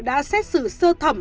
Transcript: đã xét xử sơ thẩm